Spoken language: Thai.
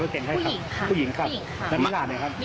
แล้วทีนี้ผู้หญิงก็ขับรถมาตรงนี้เลยค่ะ